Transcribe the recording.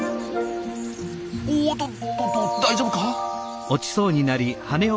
おとっとと大丈夫か？